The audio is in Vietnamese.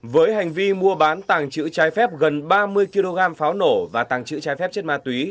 với hành vi mua bán tàng trữ trái phép gần ba mươi kg pháo nổ và tàng trữ trái phép chất ma túy